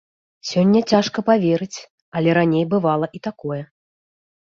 Сёння цяжка паверыць, але раней бывала і такое.